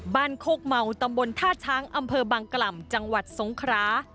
โคกเมาตำบลท่าช้างอำเภอบางกล่ำจังหวัดสงครา